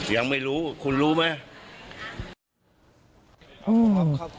ยังไม่รู้คุณรู้ไหม